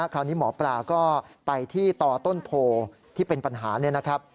คราวนี้หมอปลาก็ไปที่ตอต้นโพที่เป็นปัญหา